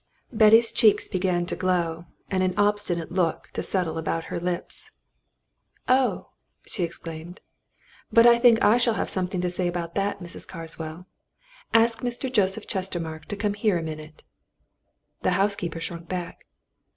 Betty's cheeks began to glow, and an obstinate look to settle about her lips. "Oh!" she exclaimed. "But I think I shall have something to say to that, Mrs. Carswell. Ask Mr. Joseph Chestermarke to come here a minute." The housekeeper shrunk back.